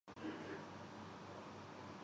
ان سے کسی کو مفر نہیں ہو سکتا اب ہر شہر کراچی ہے۔